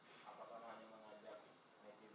apakah nanti mengajak netizen untuk interaksi